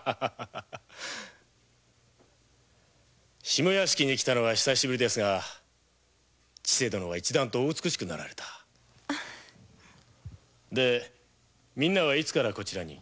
下屋敷に来たのは久しぶりですが千世殿は一段と美しくなられたでみんなはいつからこちらに？